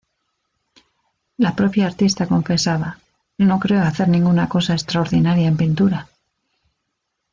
La propia artista confesaba: "No creo hacer ninguna cosa extraordinaria en pintura.